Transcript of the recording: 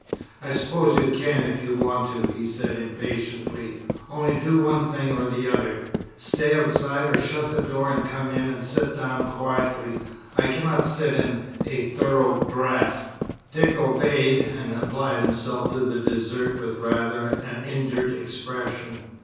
"I suppose you can if you want to," he said impatiently, "only do one thing or the other stay outside, or shut the door and come in and sit down quietly. I cannot sit in a thorough draught!" Dick obeyed, and applied himself to the dessert with rather an injured expression.